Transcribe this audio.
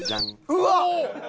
うわっ！